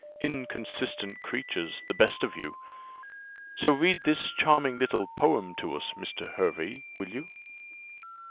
Inconsistent creatures, the best of you! So read this charming little poem to us, Mr. Hervey, will you?"